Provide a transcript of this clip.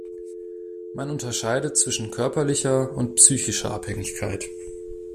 Man unterscheidet zwischen körperlicher und psychischer Abhängigkeit.